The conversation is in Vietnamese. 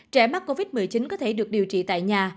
trẻ mắc covid một mươi chín có thể được điều trị tại nhà